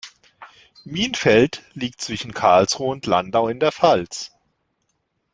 Minfeld liegt zwischen Karlsruhe und Landau in der Pfalz.